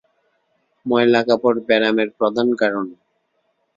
ময়লা কাপড় ব্যারামের প্রধান কারণ।